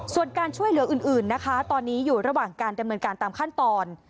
ส่วนการช่วยเหลืออื่นนะคะตอนนี้อยู่ระหว่างการดำเนินการตามขั้นตอน